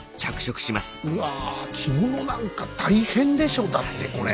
うわ着物なんか大変でしょだってこれ。